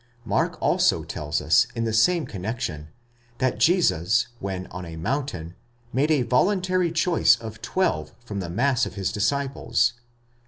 Mark also tells us in the same connexion, that Jesus when on a mountain made a voluntary choice of twelve from the mass of his disciples (iii.